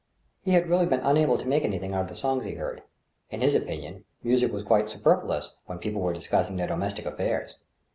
He had really been unable to make anything out of the songs he heard. In his opinion, music was quite superfluous when people were discussing their domestic affairs.